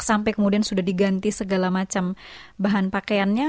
sampai kemudian sudah diganti segala macam bahan pakaiannya